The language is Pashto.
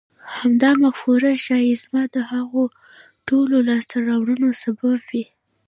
همدا مفکوره ښايي زما د هغو ټولو لاسته راوړنو سبب وي.